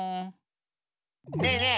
ねえねえ